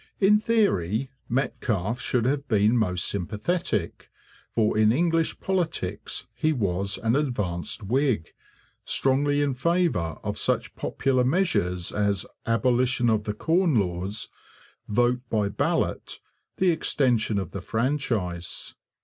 In theory Metcalfe should have been most sympathetic, for in English politics he was an advanced Whig, strongly in favour of such popular measures as abolition of the Corn Laws, vote by ballot, the extension of the franchise.